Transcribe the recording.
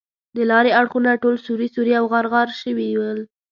د لارې اړخونه ټول سوري سوري او غار شوي ول.